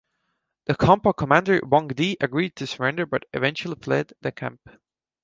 The Khampa commander Wang Di agreed to surrender but eventually fled the camp.